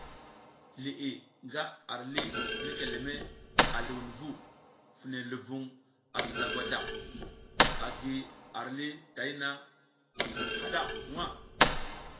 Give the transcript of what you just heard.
Liʼi nga ar lih mekeleme a zluwunvu fine luvuŋ asi lagwada agi ar lih tayna haɗa nha.